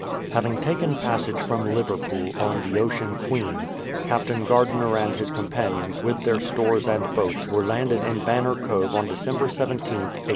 Having taken passage from Liverpool in the OceanQueen, Captain Gardiner and his companions with their stores and boats were landed in Banner Cove on December 17th, 1850.